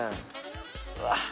うわっ。